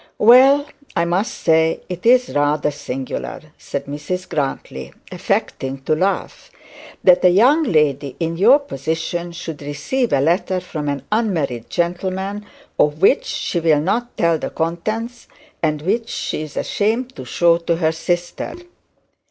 'Well I must say it's rather singular,' said Mrs Grantly, affecting to laugh, 'that a young lady in your position should receive a letter from an unmarried gentleman of which she will not tell the contents, and which she is ashamed to show her sister.'